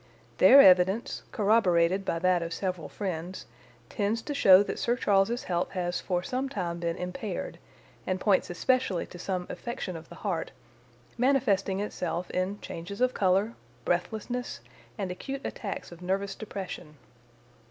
Their evidence, corroborated by that of several friends, tends to show that Sir Charles's health has for some time been impaired, and points especially to some affection of the heart, manifesting itself in changes of colour, breathlessness, and acute attacks of nervous depression.